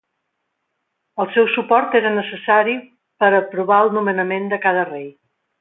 El seu suport era necessari per a aprovar el nomenament de cada rei.